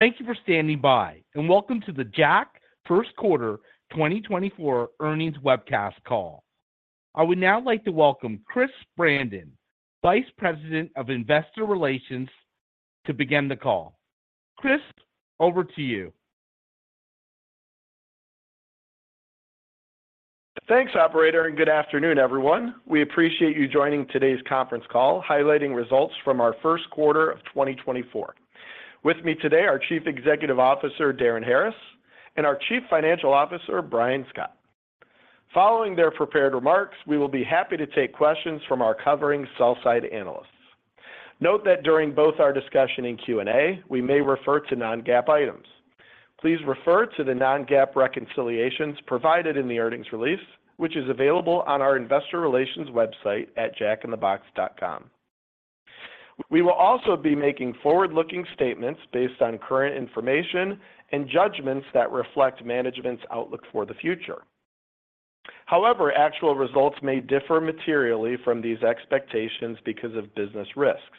Thank you for standing by, and welcome to the Jack first quarter 2024 earnings webcast call. I would now like to welcome Chris Brandon, Vice President of Investor Relations, to begin the call. Chris, over to you. Thanks, Operator, and good afternoon, everyone. We appreciate you joining today's conference call highlighting results from our first quarter of 2024. With me today are Chief Executive Officer Darin Harris and our Chief Financial Officer Brian Scott. Following their prepared remarks, we will be happy to take questions from our covering sell-side analysts. Note that during both our discussion and Q&A, we may refer to non-GAAP items. Please refer to the non-GAAP reconciliations provided in the earnings release, which is available on our Investor Relations website at jackinthebox.com. We will also be making forward-looking statements based on current information and judgments that reflect management's outlook for the future. However, actual results may differ materially from these expectations because of business risks.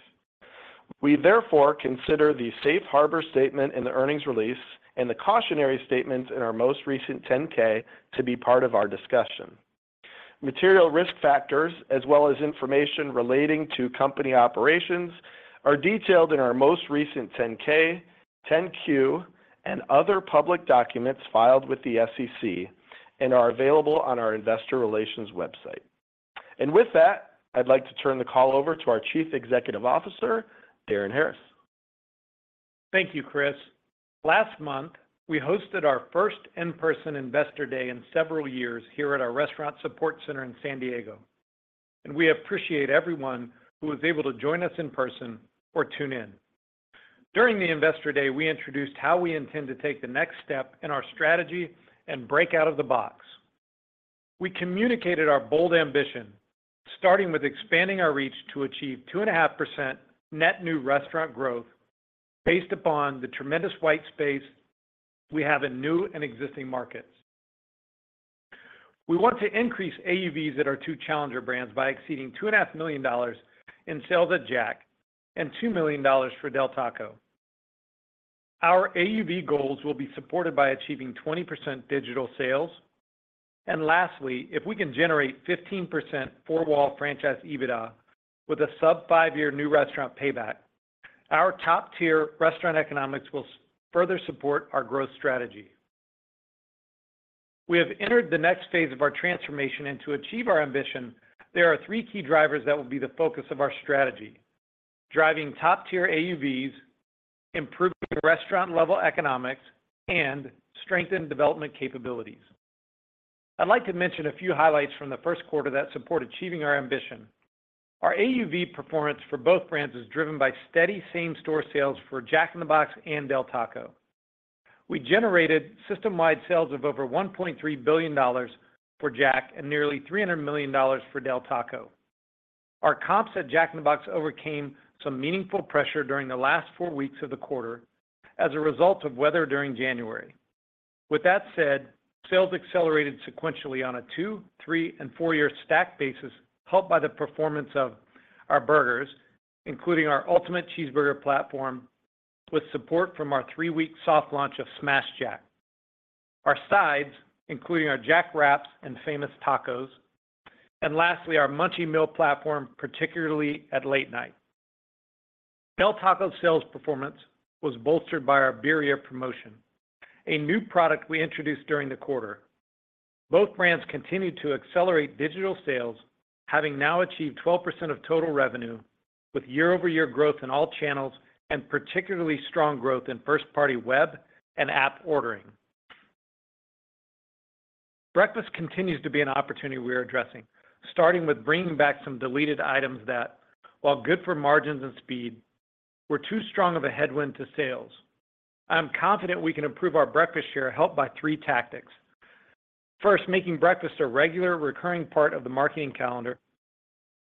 We, therefore, consider the safe harbor statement in the earnings release and the cautionary statements in our most recent 10-K to be part of our discussion. Material risk factors, as well as information relating to company operations, are detailed in our most recent 10-K, 10-Q, and other public documents filed with the SEC and are available on our Investor Relations website. And with that, I'd like to turn the call over to our Chief Executive Officer, Darin Harris. Thank you, Chris. Last month, we hosted our first in-person Investor Day in several years here at our restaurant support center in San Diego, and we appreciate everyone who was able to join us in person or tune in. During the Investor Day, we introduced how we intend to take the next step in our strategy and break out of the box. We communicated our bold ambition, starting with expanding our reach to achieve 2.5% net new restaurant growth based upon the tremendous white space we have in new and existing markets. We want to increase AUVs at our two challenger brands by exceeding $2.5 million in sales at Jack and $2 million for Del Taco. Our AUV goals will be supported by achieving 20% digital sales. And lastly, if we can generate 15% four-wall franchise EBITDA with a sub-five-year new restaurant payback, our top-tier restaurant economics will further support our growth strategy. We have entered the next phase of our transformation, and to achieve our ambition, there are three key drivers that will be the focus of our strategy: driving top-tier AUVs, improving restaurant-level economics, and strengthening development capabilities. I'd like to mention a few highlights from the first quarter that support achieving our ambition. Our AUV performance for both brands is driven by steady same-store sales for Jack in the Box and Del Taco. We generated system-wide sales of over $1.3 billion for Jack and nearly $300 million for Del Taco. Our comps at Jack in the Box overcame some meaningful pressure during the last four weeks of the quarter as a result of weather during January. With that said, sales accelerated sequentially on a two, three, and four-year stack basis, helped by the performance of our burgers, including our Ultimate Cheeseburger platform with support from our three-week soft launch of Smashed Jack, our sides, including our Jack Wraps and famous tacos, and lastly, our Munchie Meal platform, particularly at late night. Del Taco's sales performance was bolstered by our Birria promotion, a new product we introduced during the quarter. Both brands continued to accelerate digital sales, having now achieved 12% of total revenue with year-over-year growth in all channels and particularly strong growth in first-party web and app ordering. Breakfast continues to be an opportunity we are addressing, starting with bringing back some deleted items that, while good for margins and speed, were too strong of a headwind to sales. I am confident we can improve our breakfast share, helped by three tactics: first, making breakfast a regular, recurring part of the marketing calendar,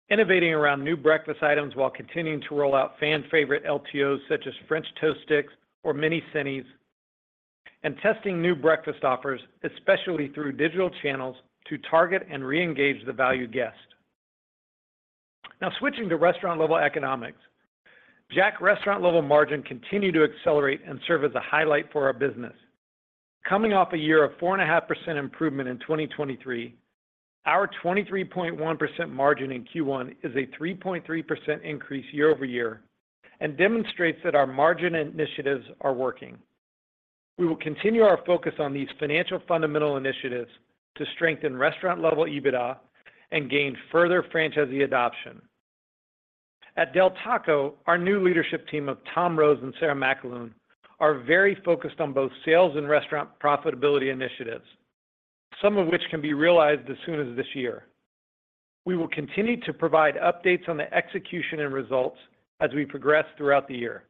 innovating around new breakfast items while continuing to roll out fan-favorite LTOs such as French Toast Sticks or Mini Cinnis, and testing new breakfast offers, especially through digital channels, to target and re-engage the valued guest. Now, switching to restaurant-level economics, Jack restaurant-level margin continued to accelerate and serve as a highlight for our business. Coming off a year of 4.5% improvement in 2023, our 23.1% margin in Q1 is a 3.3% increase year-over-year and demonstrates that our margin initiatives are working. We will continue our focus on these financial fundamental initiatives to strengthen restaurant-level EBITDA and gain further franchisee adoption. At Del Taco, our new leadership team of Tom Rose and Sarah McAloon are very focused on both sales and restaurant profitability initiatives, some of which can be realized as soon as this year. We will continue to provide updates on the execution and results as we progress throughout the year.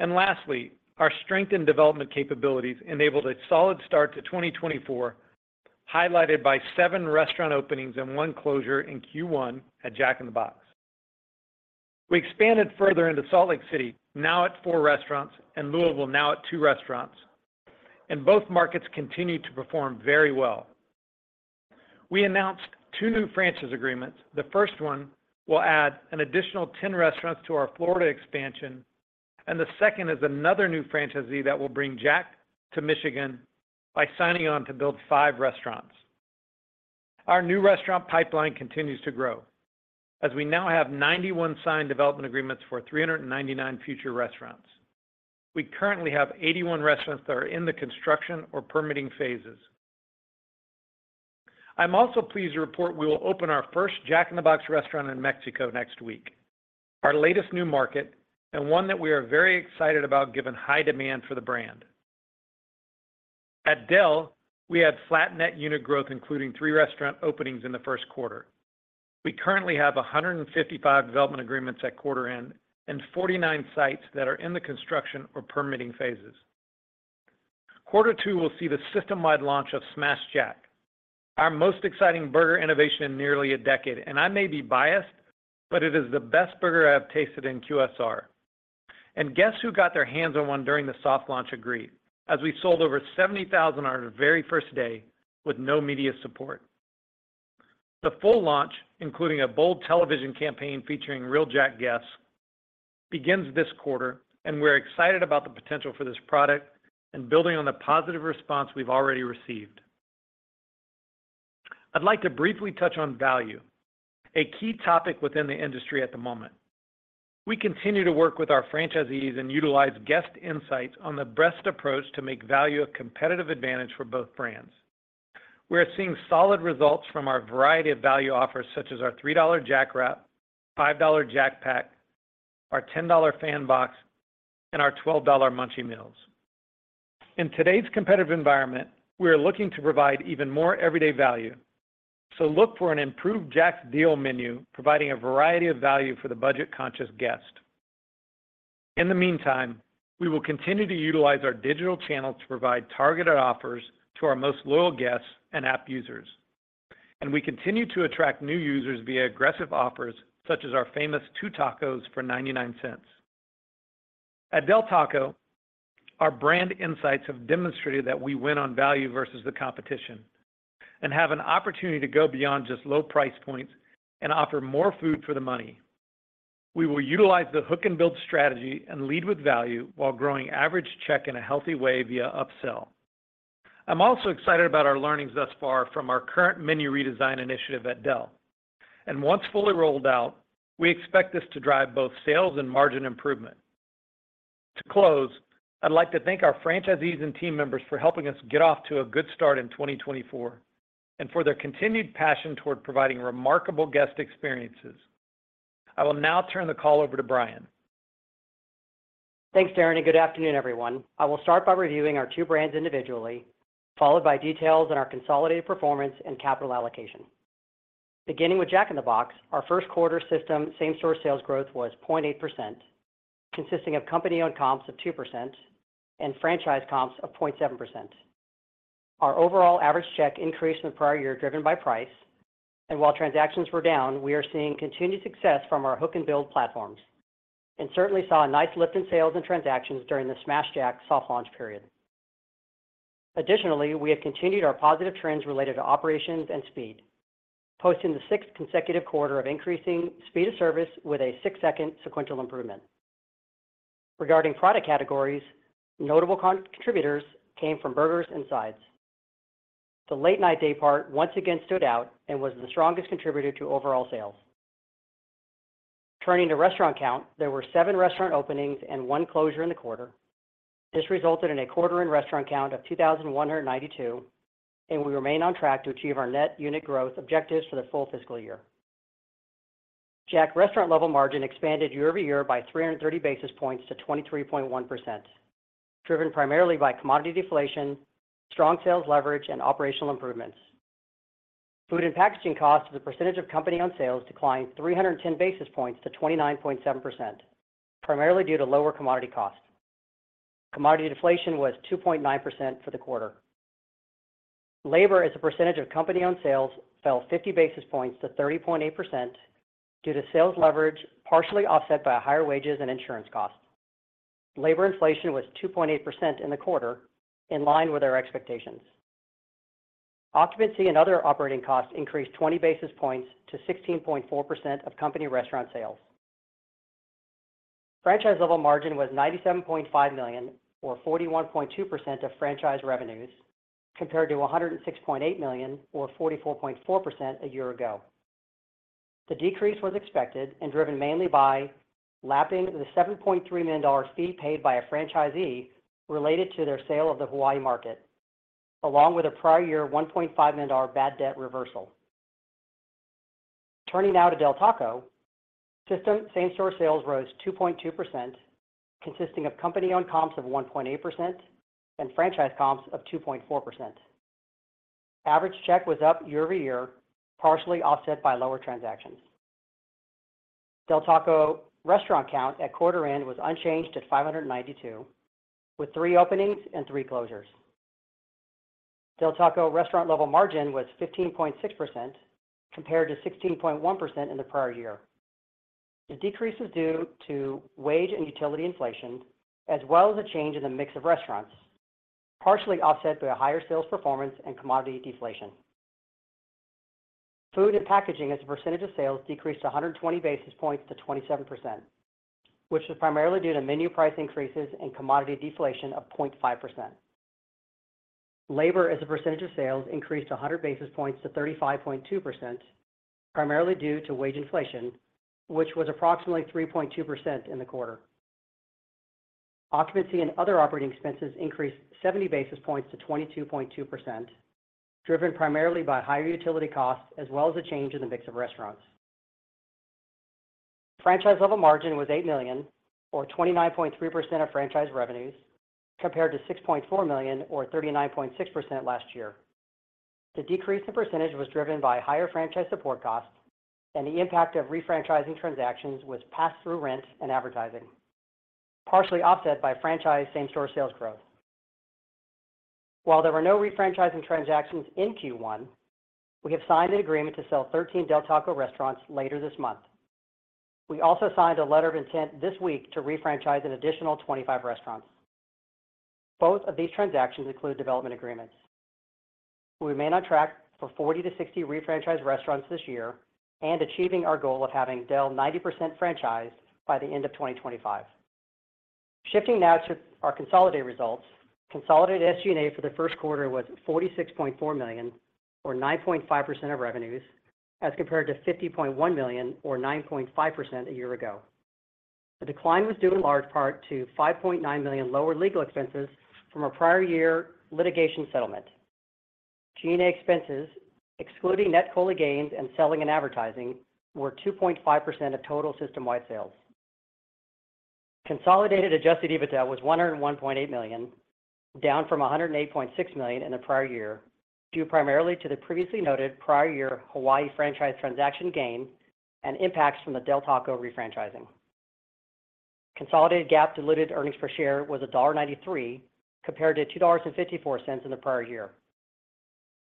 Lastly, our strengthened development capabilities enabled a solid start to 2024, highlighted by seven restaurant openings and one closure in Q1 at Jack in the Box. We expanded further into Salt Lake City, now at four restaurants, and Louisville, now at two restaurants. Both markets continue to perform very well. We announced two new franchise agreements. The first one will add an additional 10 restaurants to our Florida expansion, and the second is another new franchisee that will bring Jack to Michigan by signing on to build five restaurants. Our new restaurant pipeline continues to grow, as we now have 91 signed development agreements for 399 future restaurants. We currently have 81 restaurants that are in the construction or permitting phases. I'm also pleased to report we will open our first Jack in the Box restaurant in Mexico next week, our latest new market, and one that we are very excited about given high demand for the brand. At Del Taco, we had flat net unit growth, including three restaurant openings in the first quarter. We currently have 155 development agreements at quarter end and 49 sites that are in the construction or permitting phases. Quarter two will see the system-wide launch of Smashed Jack, our most exciting burger innovation in nearly a decade. And I may be biased, but it is the best burger I have tasted in QSR. Guess who got their hands on one during the soft launch agreed, as we sold over 70,000 on our very first day with no media support? The full launch, including a bold television campaign featuring real Jack guests, begins this quarter, and we're excited about the potential for this product and building on the positive response we've already received. I'd like to briefly touch on value, a key topic within the industry at the moment. We continue to work with our franchisees and utilize guest insights on the best approach to make value a competitive advantage for both brands. We are seeing solid results from our variety of value offers, such as our $3 Jack Wrap, $5 Jack Pack, our $10 Fan Box, and our $12 Munchie Meals. In today's competitive environment, we are looking to provide even more everyday value, so look for an improved Jack's deal menu providing a variety of value for the budget-conscious guest. In the meantime, we will continue to utilize our digital channels to provide targeted offers to our most loyal guests and app users. We continue to attract new users via aggressive offers, such as our famous two tacos for $0.99. At Del Taco, our brand insights have demonstrated that we win on value versus the competition and have an opportunity to go beyond just low price points and offer more food for the money. We will utilize the hook-and-build strategy and lead with value while growing average check in a healthy way via upsell. I'm also excited about our learnings thus far from our current menu redesign initiative at Del Taco. Once fully rolled out, we expect this to drive both sales and margin improvement. To close, I'd like to thank our franchisees and team members for helping us get off to a good start in 2024 and for their continued passion toward providing remarkable guest experiences. I will now turn the call over to Brian. Thanks, Darin. And good afternoon, everyone. I will start by reviewing our two brands individually, followed by details on our consolidated performance and capital allocation. Beginning with Jack in the Box, our first quarter system same-store sales growth was 0.8%, consisting of company-owned comps of 2% and franchise comps of 0.7%. Our overall average check increased from the prior year, driven by price. And while transactions were down, we are seeing continued success from our hook-and-build platforms and certainly saw a nice lift in sales and transactions during the Smashed Jack soft launch period. Additionally, we have continued our positive trends related to operations and speed, posting the sixth consecutive quarter of increasing speed of service with a six-second sequential improvement. Regarding product categories, notable contributors came from burgers and sides. The late-night day part once again stood out and was the strongest contributor to overall sales. Turning to restaurant count, there were seven restaurant openings and one closure in the quarter. This resulted in a quarter-end restaurant count of 2,192, and we remain on track to achieve our net unit growth objectives for the full fiscal year. Jack restaurant-level margin expanded year-over-year by 330 basis points to 23.1%, driven primarily by commodity deflation, strong sales leverage, and operational improvements. Food and packaging costs, the percentage of company-owned sales, declined 310 basis points to 29.7%, primarily due to lower commodity costs. Commodity deflation was 2.9% for the quarter. Labor, as a percentage of company-owned sales, fell 50 basis points to 30.8% due to sales leverage, partially offset by higher wages and insurance costs. Labor inflation was 2.8% in the quarter, in line with our expectations. Occupancy and other operating costs increased 20 basis points to 16.4% of company restaurant sales. Franchise-level margin was $97.5 million, or 41.2% of franchise revenues, compared to $106.8 million, or 44.4% a year ago. The decrease was expected and driven mainly by lapping the $7.3 million fee paid by a franchisee related to their sale of the Hawaii market, along with a prior-year $1.5 million bad debt reversal. Turning now to Del Taco, system same-store sales rose 2.2%, consisting of company-owned comps of 1.8% and franchise comps of 2.4%. Average check was up year-over-year, partially offset by lower transactions. Del Taco restaurant count at quarter end was unchanged at 592, with three openings and three closures. Del Taco restaurant-level margin was 15.6%, compared to 16.1% in the prior year. The decrease was due to wage and utility inflation, as well as a change in the mix of restaurants, partially offset by higher sales performance and commodity deflation. Food and packaging, as a percentage of sales, decreased 120 basis points to 27%, which was primarily due to menu price increases and commodity deflation of 0.5%. Labor, as a percentage of sales, increased 100 basis points to 35.2%, primarily due to wage inflation, which was approximately 3.2% in the quarter. Occupancy and other operating expenses increased 70 basis points to 22.2%, driven primarily by higher utility costs, as well as a change in the mix of restaurants. Franchise-level margin was $8 million, or 29.3% of franchise revenues, compared to $6.4 million, or 39.6% last year. The decrease in percentage was driven by higher franchise support costs, and the impact of refranchising transactions was pass-through rent and advertising, partially offset by franchise same-store sales growth. While there were no refranchising transactions in Q1, we have signed an agreement to sell 13 Del Taco restaurants later this month. We also signed a letter of intent this week to refranchise an additional 25 restaurants. Both of these transactions include development agreements. We remain on track for 40-60 refranchised restaurants this year and achieving our goal of having Del Taco 90% franchised by the end of 2025. Shifting now to our consolidated results, consolidated SG&A for the first quarter was $46.4 million, or 9.5% of revenues, as compared to $50.1 million, or 9.5% a year ago. The decline was due in large part to $5.9 million lower legal expenses from a prior-year litigation settlement. G&A expenses, excluding net COLI gains and selling and advertising, were 2.5% of total system-wide sales. Consolidated adjusted EBITDA was $101.8 million, down from $108.6 million in the prior year, due primarily to the previously noted prior-year Hawaii franchise transaction gain and impacts from the Del Taco refranchising. Consolidated GAAP diluted earnings per share was $1.93, compared to $2.54 in the prior year.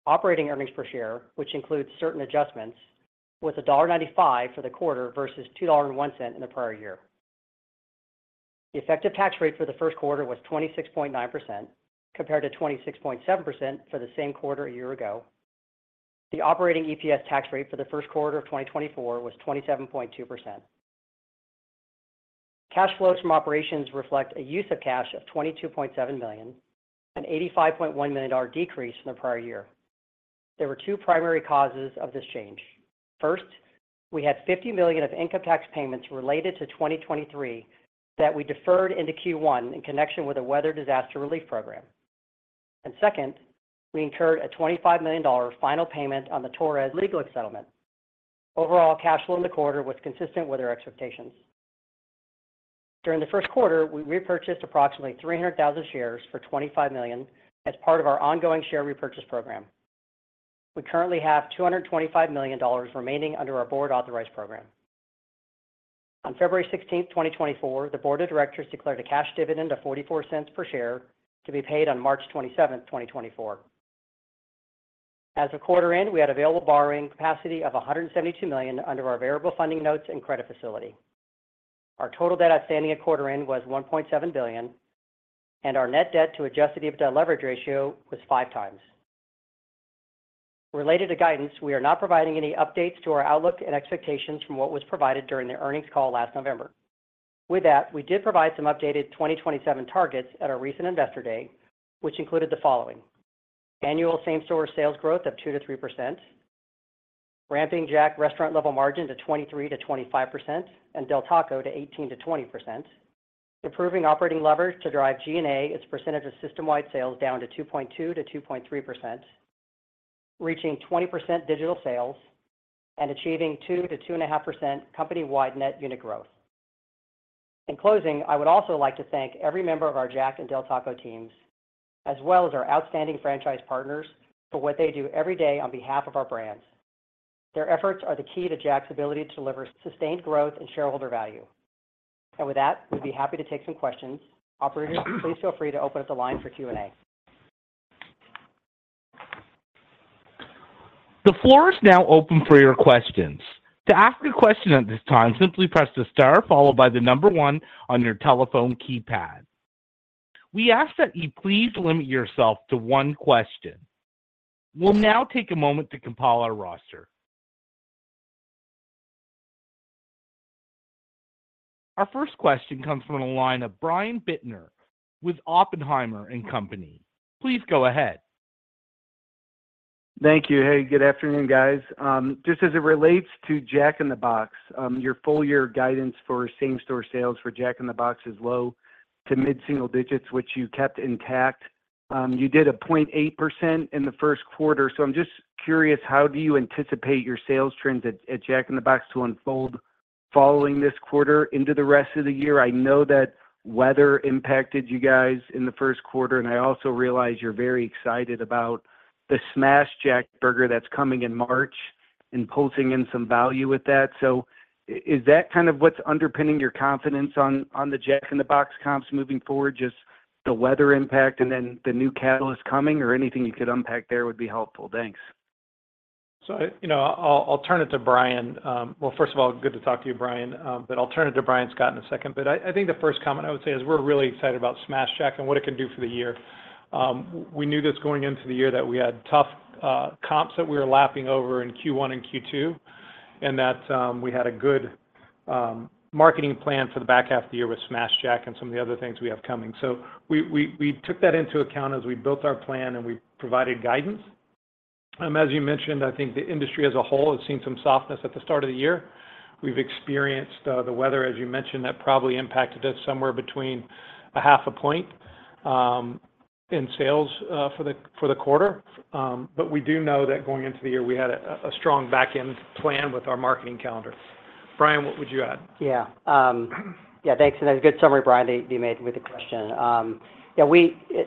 Operating earnings per share, which includes certain adjustments, was $1.95 for the quarter versus $2.01 in the prior year. The effective tax rate for the first quarter was 26.9%, compared to 26.7% for the same quarter a year ago. The operating EPS tax rate for the first quarter of 2024 was 27.2%. Cash flows from operations reflect a use of cash of $22.7 million, an $85.1 million decrease from the prior year. There were two primary causes of this change. First, we had $50 million of income tax payments related to 2023 that we deferred into Q1 in connection with a weather disaster relief program. Second, we incurred a $25 million final payment on the Torrez legal settlement. Overall cash flow in the quarter was consistent with our expectations. During the first quarter, we repurchased approximately 300,000 shares for $25 million as part of our ongoing share repurchase program. We currently have $225 million remaining under our board-authorized program. On February 16, 2024, the board of directors declared a cash dividend of $0.44 per share to be paid on March 27, 2024. As of quarter end, we had available borrowing capacity of $172 million under our variable funding notes and credit facility. Our total debt outstanding at quarter end was $1.7 billion, and our net debt to adjusted EBITDA leverage ratio was five times. Related to guidance, we are not providing any updates to our outlook and expectations from what was provided during the earnings call last November. With that, we did provide some updated 2027 targets at our recent investor day, which included the following: annual same-store sales growth of 2%-3%, ramping Jack restaurant-level margin to 23%-25% and Del Taco to 18%-20%, improving operating leverage to drive G&A its percentage of system-wide sales down to 2.2%-2.3%, reaching 20% digital sales, and achieving 2%-2.5% company-wide net unit growth. In closing, I would also like to thank every member of our Jack and Del Taco teams, as well as our outstanding franchise partners, for what they do every day on behalf of our brands. Their efforts are the key to Jack's ability to deliver sustained growth and shareholder value. And with that, we'd be happy to take some questions. Operators, please feel free to open up the line for Q&A. The floor is now open for your questions. To ask a question at this time, simply press the star followed by the number one on your telephone keypad. We ask that you please limit yourself to one question. We'll now take a moment to compile our roster. Our first question comes from a line of Brian Bittner with Oppenheimer & Company. Please go ahead. Thank you. Hey, good afternoon, guys. Just as it relates to Jack in the Box, your full-year guidance for same-store sales for Jack in the Box is low to mid-single digits, which you kept intact. You did a 0.8% in the first quarter, so I'm just curious, how do you anticipate your sales trends at Jack in the Box to unfold following this quarter into the rest of the year? I know that weather impacted you guys in the first quarter, and I also realize you're very excited about the Smashed Jack burger that's coming in March and pulsing in some value with that. So is that kind of what's underpinning your confidence on the Jack in the Box comps moving forward, just the weather impact and then the new catalyst coming, or anything you could unpack there would be helpful? Thanks. So I'll turn it to Brian. Well, first of all, good to talk to you, Brian. But I'll turn it to Brian Scott in a second. But I think the first comment I would say is we're really excited about Smashed Jack and what it can do for the year. We knew this going into the year that we had tough comps that we were lapping over in Q1 and Q2 and that we had a good marketing plan for the back half of the year with Smashed Jack and some of the other things we have coming. So we took that into account as we built our plan and we provided guidance. As you mentioned, I think the industry as a whole has seen some softness at the start of the year. We've experienced the weather, as you mentioned, that probably impacted us somewhere between 0.5 point in sales for the quarter. But we do know that going into the year, we had a strong backend plan with our marketing calendar. Brian, what would you add? Yeah. Yeah, thanks. That's a good summary, Brian, that you made with the question. Yeah,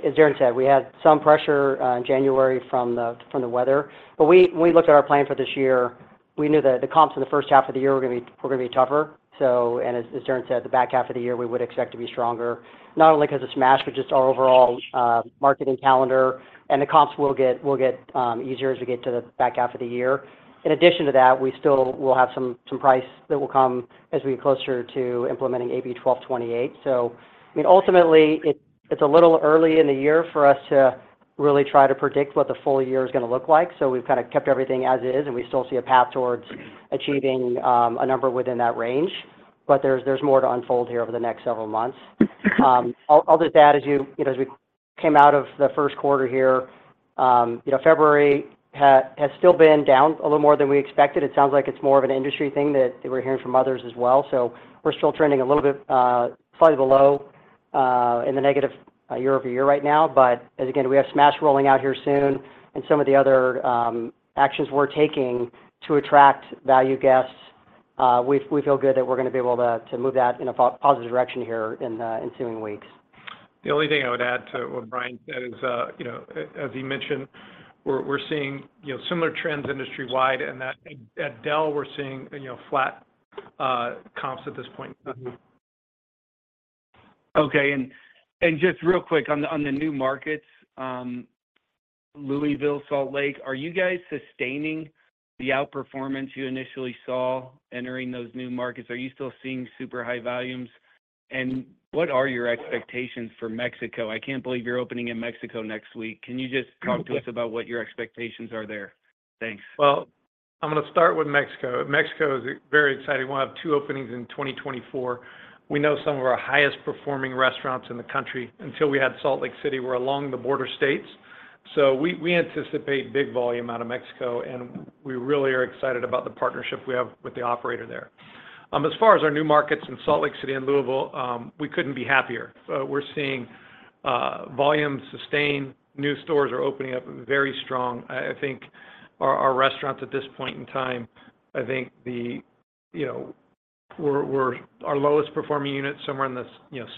as Darin said, we had some pressure in January from the weather. But when we looked at our plan for this year, we knew the comps in the first half of the year were going to be tougher. And as Darin said, the back half of the year, we would expect to be stronger, not only because of Smash, but just our overall marketing calendar. And the comps will get easier as we get to the back half of the year. In addition to that, we still will have some price that will come as we get closer to implementing AB 1228. So I mean, ultimately, it's a little early in the year for us to really try to predict what the full year is going to look like. So we've kind of kept everything as is, and we still see a path towards achieving a number within that range. But there's more to unfold here over the next several months. I'll just add, as we came out of the first quarter here, February has still been down a little more than we expected. It sounds like it's more of an industry thing that we're hearing from others as well. So we're still trending a little bit slightly below in the negative year-over-year right now. But as again, we have Smash rolling out here soon, and some of the other actions we're taking to attract value guests, we feel good that we're going to be able to move that in a positive direction here in the ensuing weeks. The only thing I would add to what Brian said is, as he mentioned, we're seeing similar trends industry-wide. At Del, we're seeing flat comps at this point in time. Okay. And just real quick, on the new markets, Louisville, Salt Lake, are you guys sustaining the outperformance you initially saw entering those new markets? Are you still seeing super high volumes? And what are your expectations for Mexico? I can't believe you're opening in Mexico next week. Can you just talk to us about what your expectations are there? Thanks. Well, I'm going to start with Mexico. Mexico is very exciting. We'll have two openings in 2024. We know some of our highest performing restaurants in the country. Until we had Salt Lake City, we're along the border states. So we anticipate big volume out of Mexico, and we really are excited about the partnership we have with the operator there. As far as our new markets in Salt Lake City and Louisville, we couldn't be happier. We're seeing volumes sustain. New stores are opening up very strong. I think our restaurants at this point in time, I think our lowest performing unit is somewhere in the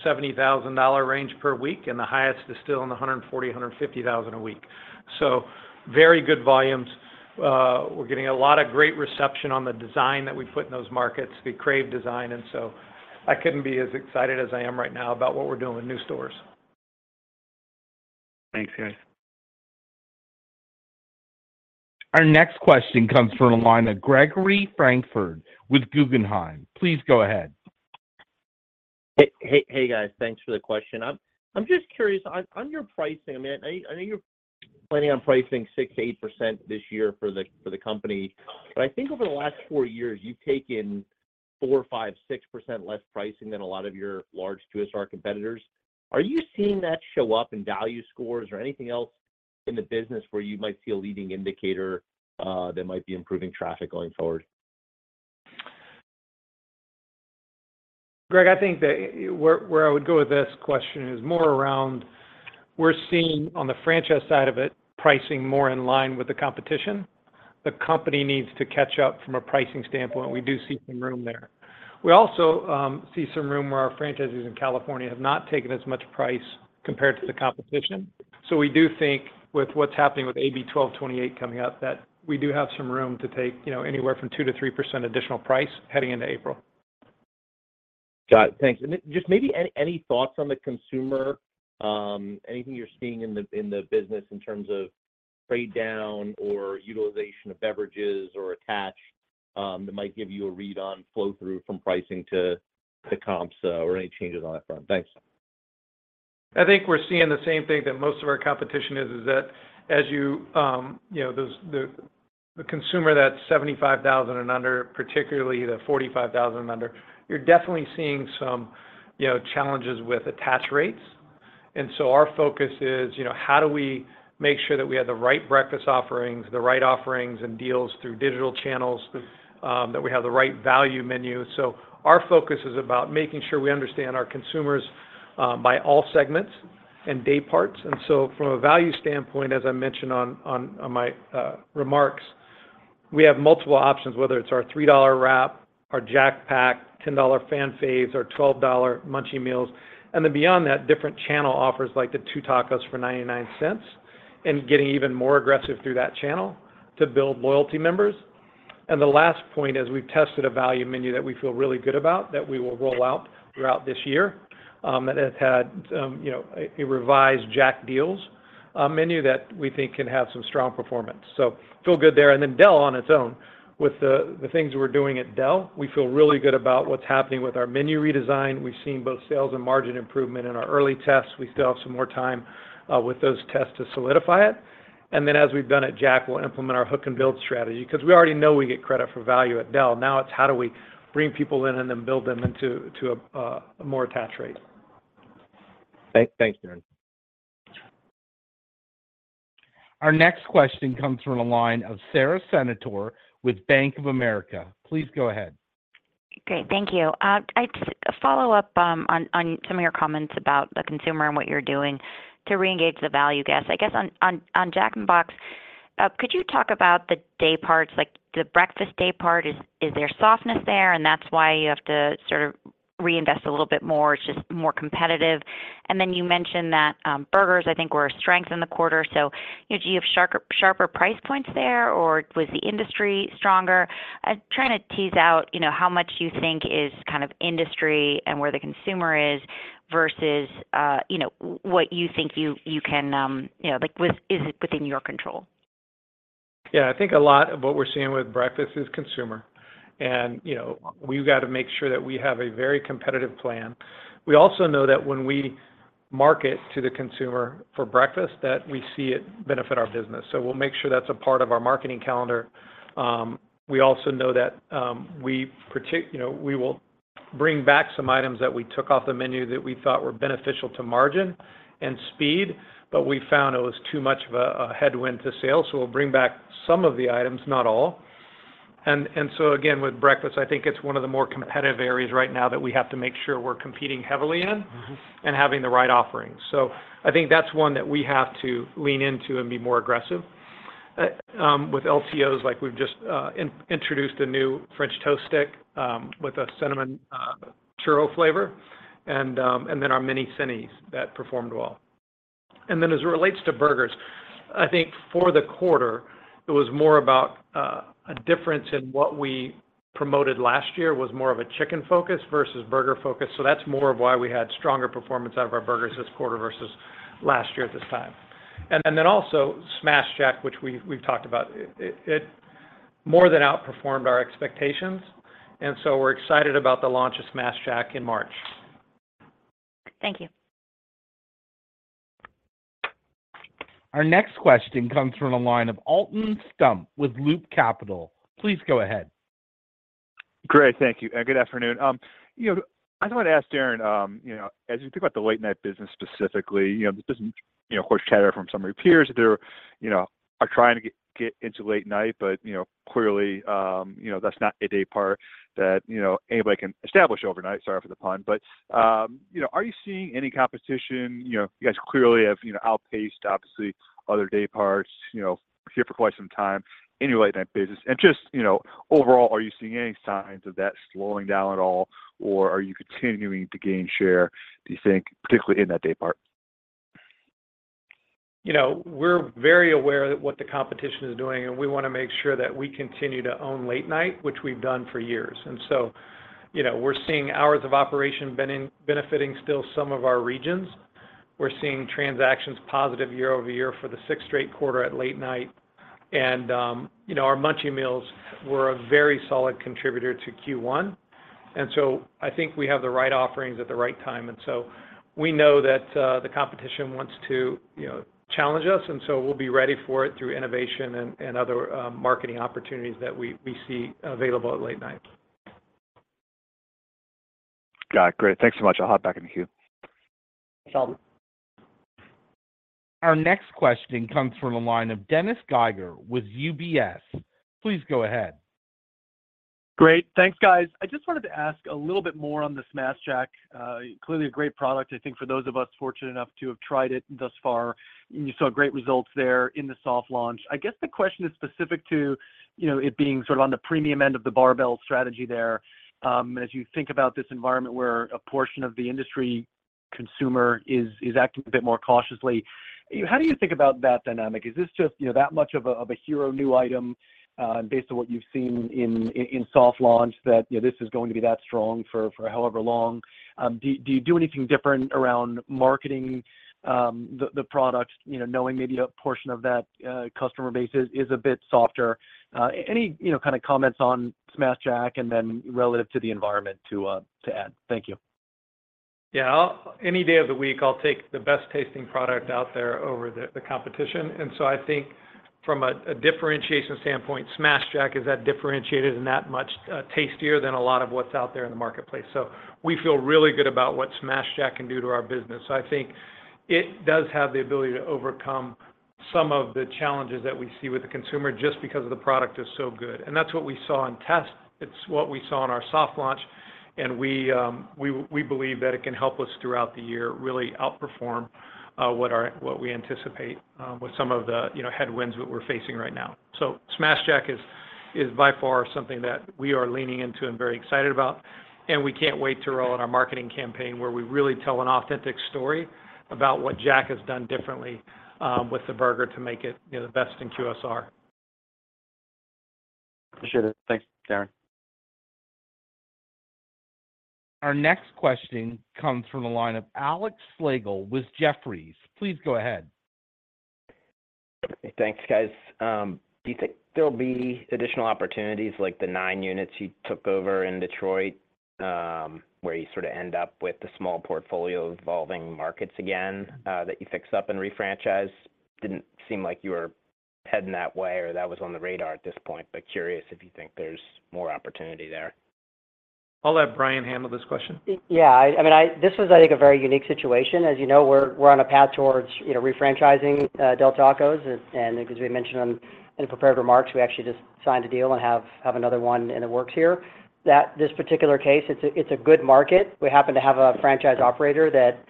$70,000 range per week, and the highest is still in the $140,000-$150,000 a week. So very good volumes. We're getting a lot of great reception on the design that we put in those markets, the CRAVED design. I couldn't be as excited as I am right now about what we're doing with new stores. Thanks, guys. Our next question comes from a line of Gregory Francfort with Guggenheim. Please go ahead. Hey, guys. Thanks for the question. I'm just curious. On your pricing, I mean, I know you're planning on pricing 6%-8% this year for the company. But I think over the last four years, you've taken 4%, 5%, 6% less pricing than a lot of your large QSR competitors. Are you seeing that show up in value scores or anything else in the business where you might see a leading indicator that might be improving traffic going forward? Greg, I think that where I would go with this question is more around we're seeing, on the franchise side of it, pricing more in line with the competition. The company needs to catch up from a pricing standpoint. We do see some room there. We also see some room where our franchisees in California have not taken as much price compared to the competition. So we do think, with what's happening with AB 1228 coming up, that we do have some room to take anywhere from 2%-3% additional price heading into April. Got it. Thanks. And just maybe any thoughts on the consumer, anything you're seeing in the business in terms of trade down or utilization of beverages or attached that might give you a read-on flow-through from pricing to comps or any changes on that front? Thanks. I think we're seeing the same thing that most of our competition is, is that as you the consumer that's 75,000 and under, particularly the 45,000 and under, you're definitely seeing some challenges with attach rates. And so our focus is, how do we make sure that we have the right breakfast offerings, the right offerings and deals through digital channels, that we have the right value menu? So our focus is about making sure we understand our consumers by all segments and day parts. And so from a value standpoint, as I mentioned on my remarks, we have multiple options, whether it's our $3 Wrap, our Jack Pack, $10 Fan Favs, our $12 Munchie Meals. And then beyond that, different channel offers like the 2 Tacos for $0.99 and getting even more aggressive through that channel to build loyalty members. The last point is we've tested a value menu that we feel really good about that we will roll out throughout this year that has had a revised Jack's deal menu that we think can have some strong performance. So feel good there. Then Del on its own, with the things we're doing at Del, we feel really good about what's happening with our menu redesign. We've seen both sales and margin improvement in our early tests. We still have some more time with those tests to solidify it. And then as we've done at Jack, we'll implement our hook-and-build strategy because we already know we get credit for value at Del. Now it's how do we bring people in and then build them into a more attach rate. Thanks, Darin. Our next question comes from a line of Sara Senatore with Bank of America. Please go ahead. Great. Thank you. I'd follow up on some of your comments about the consumer and what you're doing to reengage the value guests. I guess on Jack in the Box, could you talk about the day parts? The breakfast day part, is there softness there? And that's why you have to sort of reinvest a little bit more. It's just more competitive. And then you mentioned that burgers, I think, were a strength in the quarter. So do you have sharper price points there, or was the industry stronger? I'm trying to tease out how much you think is kind of industry and where the consumer is versus what you think you can is it within your control? Yeah. I think a lot of what we're seeing with breakfast is consumer. And we've got to make sure that we have a very competitive plan. We also know that when we market to the consumer for breakfast, that we see it benefit our business. So we'll make sure that's a part of our marketing calendar. We also know that we will bring back some items that we took off the menu that we thought were beneficial to margin and speed, but we found it was too much of a headwind to sales. So we'll bring back some of the items, not all. And so again, with breakfast, I think it's one of the more competitive areas right now that we have to make sure we're competing heavily in and having the right offerings. So I think that's one that we have to lean into and be more aggressive. With LTOs, we've just introduced a new French toast stick with a cinnamon churro flavor and then our Mini Cinnis that performed well. Then as it relates to burgers, I think for the quarter, it was more about a difference in what we promoted last year was more of a chicken focus versus burger focus. So that's more of why we had stronger performance out of our burgers this quarter versus last year at this time. And then also Smashed Jack, which we've talked about, it more than outperformed our expectations. And so we're excited about the launch of Smashed Jack in March. Thank you. Our next question comes from a line of Alton Stump with Loop Capital. Please go ahead. Great. Thank you. Good afternoon. I just wanted to ask Darin, as you think about the late-night business specifically, this doesn't, of course, chatter from some of your peers that they are trying to get into late-night, but clearly, that's not a day part that anybody can establish overnight, sorry for the pun. But are you seeing any competition? You guys clearly have outpaced, obviously, other day parts here for quite some time in your late-night business. And just overall, are you seeing any signs of that slowing down at all, or are you continuing to gain share, do you think, particularly in that day part? We're very aware of what the competition is doing, and we want to make sure that we continue to own late-night, which we've done for years. And so we're seeing hours of operation benefiting still some of our regions. We're seeing transactions positive year-over-year for the sixth straight quarter at late-night. And our Munchie Meals were a very solid contributor to Q1. And so I think we have the right offerings at the right time. And so we know that the competition wants to challenge us, and so we'll be ready for it through innovation and other marketing opportunities that we see available at late-night. Got it. Great. Thanks so much. I'll hop back into queue. Thanks, Alden. Our next question comes from a line of Dennis Geiger with UBS. Please go ahead. Great. Thanks, guys. I just wanted to ask a little bit more on the Smashed Jack. Clearly, a great product, I think, for those of us fortunate enough to have tried it thus far. You saw great results there in the soft launch. I guess the question is specific to it being sort of on the premium end of the barbell strategy there. As you think about this environment where a portion of the industry consumer is acting a bit more cautiously, how do you think about that dynamic? Is this just that much of a hero new item based on what you've seen in soft launch that this is going to be that strong for however long? Do you do anything different around marketing the product, knowing maybe a portion of that customer base is a bit softer? Any kind of comments on Smashed Jack and then relative to the environment to add? Thank you. Yeah. Any day of the week, I'll take the best-tasting product out there over the competition. And so I think from a differentiation standpoint, Smashed Jack is that differentiated and that much tastier than a lot of what's out there in the marketplace. So we feel really good about what Smashed Jack can do to our business. So I think it does have the ability to overcome some of the challenges that we see with the consumer just because the product is so good. And that's what we saw in test. It's what we saw in our soft launch. And we believe that it can help us throughout the year really outperform what we anticipate with some of the headwinds that we're facing right now. Smashed Jack is by far something that we are leaning into and very excited about. We can't wait to roll out our marketing campaign where we really tell an authentic story about what Jack has done differently with the burger to make it the best in QSR. Appreciate it. Thanks, Darin. Our next question comes from a line of Alex Slagle with Jefferies. Please go ahead. Thanks, guys. Do you think there'll be additional opportunities like the nine units you took over in Detroit where you sort of end up with the small portfolio evolving markets again that you fix up and refranchise? Didn't seem like you were heading that way or that was on the radar at this point, but curious if you think there's more opportunity there. I'll let Brian handle this question. Yeah. I mean, this was, I think, a very unique situation. As you know, we're on a path towards refranchising Del Taco. And because we mentioned in prepared remarks, we actually just signed a deal and have another one in the works here. This particular case, it's a good market. We happen to have a franchise operator that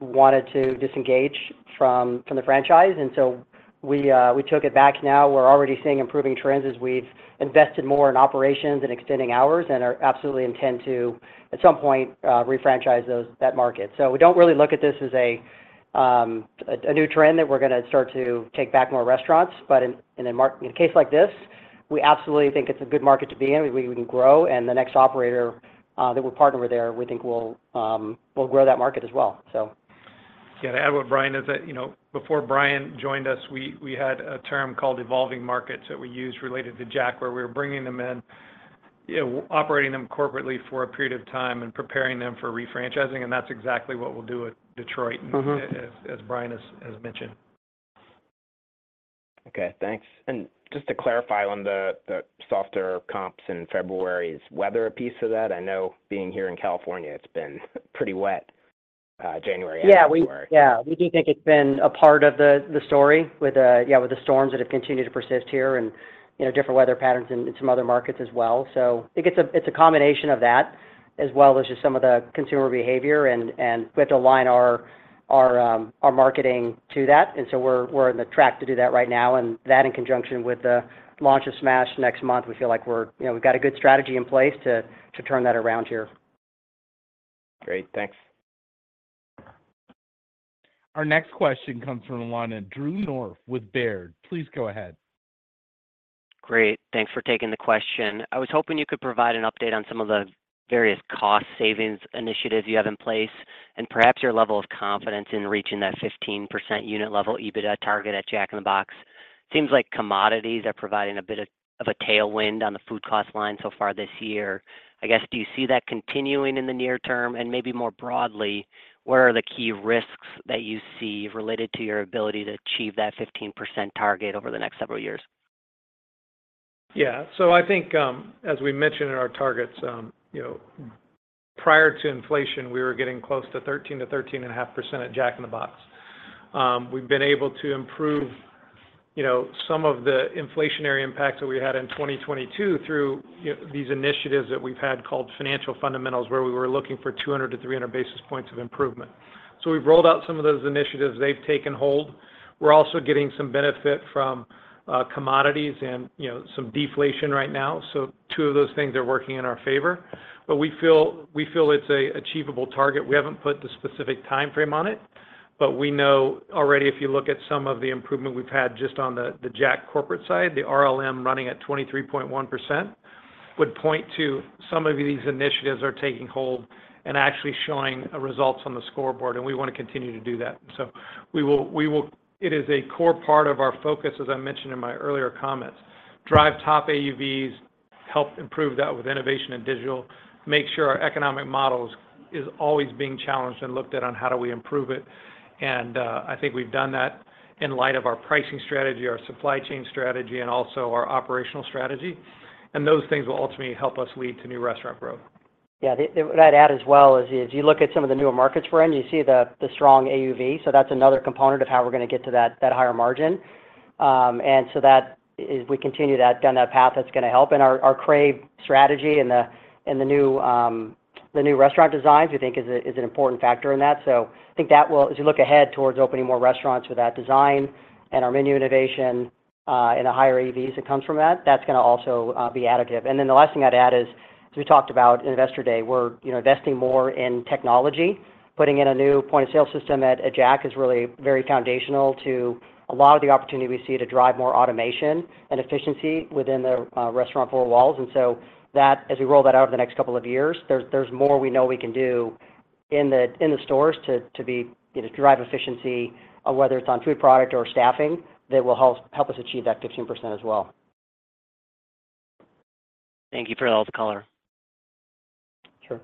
wanted to disengage from the franchise. And so we took it back now. We're already seeing improving trends as we've invested more in operations and extending hours and absolutely intend to, at some point, refranchise that market. So we don't really look at this as a new trend that we're going to start to take back more restaurants. But in a case like this, we absolutely think it's a good market to be in. We can grow. The next operator that we're partnered with there, we think will grow that market as well, so. Yeah. To add what Brian is that before Brian joined us, we had a term called evolving markets that we used related to Jack where we were bringing them in, operating them corporately for a period of time, and preparing them for refranchising. That's exactly what we'll do at Detroit, as Brian has mentioned. Okay. Thanks. Just to clarify on the softer comps in February, is weather a piece of that? I know being here in California, it's been pretty wet, January and February. Yeah. We do think it's been a part of the story with the storms that have continued to persist here and different weather patterns in some other markets as well. So I think it's a combination of that as well as just some of the consumer behavior. And we have to align our marketing to that. And so we're on the track to do that right now. And that in conjunction with the launch of Smash next month, we feel like we've got a good strategy in place to turn that around here. Great. Thanks. Our next question comes from a line of Drew North with Baird. Please go ahead. Great. Thanks for taking the question. I was hoping you could provide an update on some of the various cost-savings initiatives you have in place and perhaps your level of confidence in reaching that 15% unit-level EBITDA target at Jack in the Box. It seems like commodities are providing a bit of a tailwind on the food cost line so far this year. I guess, do you see that continuing in the near term? And maybe more broadly, what are the key risks that you see related to your ability to achieve that 15% target over the next several years? Yeah. So I think, as we mentioned in our targets, prior to inflation, we were getting close to 13%-13.5% at Jack in the Box. We've been able to improve some of the inflationary impacts that we had in 2022 through these initiatives that we've had called Financial Fundamentals where we were looking for 200-300 basis points of improvement. So we've rolled out some of those initiatives. They've taken hold. We're also getting some benefit from commodities and some deflation right now. So two of those things are working in our favor. But we feel it's an achievable target. We haven't put the specific time frame on it. But we know already if you look at some of the improvement we've had just on the Jack corporate side, the RLM running at 23.1% would point to some of these initiatives are taking hold and actually showing results on the scoreboard. We want to continue to do that. It is a core part of our focus, as I mentioned in my earlier comments, drive top AUVs, help improve that with innovation and digital, make sure our economic model is always being challenged and looked at on how do we improve it. And I think we've done that in light of our pricing strategy, our supply chain strategy, and also our operational strategy. Those things will ultimately help us lead to new restaurant growth. Yeah. What I'd add as well is if you look at some of the newer markets we're in, you see the strong AUV. So that's another component of how we're going to get to that higher margin. And so if we continue down that path, that's going to help. And our CRAVED strategy and the new restaurant designs, we think, is an important factor in that. So I think that will, as you look ahead towards opening more restaurants with that design and our menu innovation and the higher AUVs that comes from that, that's going to also be additive. And then the last thing I'd add is, as we talked about yesterday, we're investing more in technology. Putting in a new point-of-sale system at Jack is really very foundational to a lot of the opportunity we see to drive more automation and efficiency within the restaurant four walls. And so as we roll that out over the next couple of years, there's more we know we can do in the stores to drive efficiency, whether it's on food product or staffing, that will help us achieve that 15% as well. Thank you for all the color. Sure.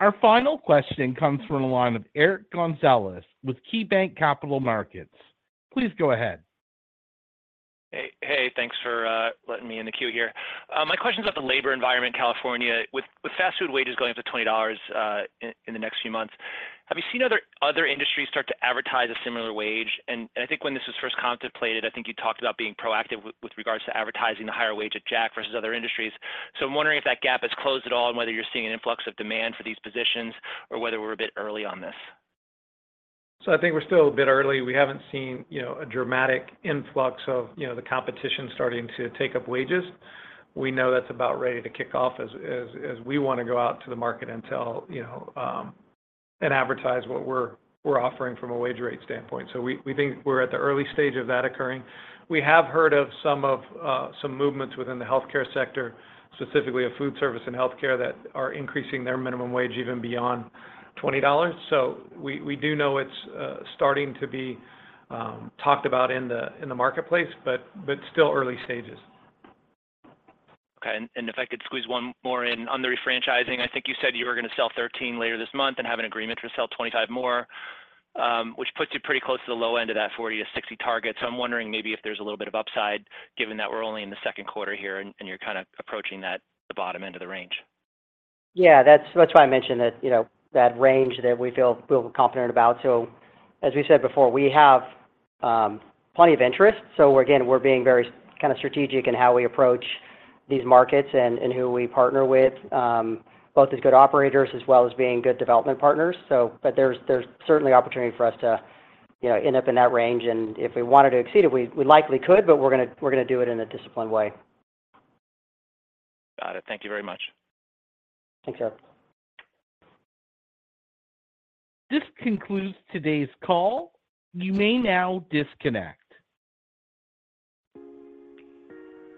Our final question comes from a line of Eric Gonzalez with KeyBanc Capital Markets. Please go ahead. Hey. Thanks for letting me in the queue here. My question is about the labor environment in California. With fast food wages going up to $20 in the next few months, have you seen other industries start to advertise a similar wage? And I think when this was first contemplated, I think you talked about being proactive with regards to advertising the higher wage at Jack versus other industries. So I'm wondering if that gap has closed at all and whether you're seeing an influx of demand for these positions or whether we're a bit early on this. So I think we're still a bit early. We haven't seen a dramatic influx of the competition starting to take up wages. We know that's about ready to kick off as we want to go out to the market and tell and advertise what we're offering from a wage rate standpoint. So we think we're at the early stage of that occurring. We have heard of some movements within the healthcare sector, specifically of food service and healthcare, that are increasing their minimum wage even beyond $20. So we do know it's starting to be talked about in the marketplace, but still early stages. Okay. If I could squeeze one more in on the refranchising, I think you said you were going to sell 13 later this month and have an agreement to sell 25 more, which puts you pretty close to the low end of that 40-60 target. So I'm wondering maybe if there's a little bit of upside given that we're only in the second quarter here and you're kind of approaching the bottom end of the range. Yeah. That's why I mentioned that range that we feel confident about. So as we said before, we have plenty of interest. So again, we're being very kind of strategic in how we approach these markets and who we partner with, both as good operators as well as being good development partners. But there's certainly opportunity for us to end up in that range. And if we wanted to exceed it, we likely could, but we're going to do it in a disciplined way. Got it. Thank you very much. Thanks, sir. This concludes today's call. You may now disconnect.